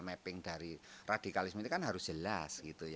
mapping dari radikalisme itu kan harus jelas gitu ya